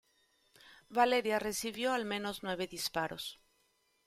Valeria recibió al menos nueve disparos.